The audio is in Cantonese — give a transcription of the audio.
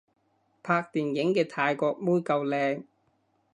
拍電影嘅泰國妹夠靚